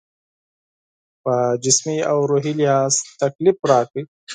په جسمي او روحي لحاظ تکلیف راکړ.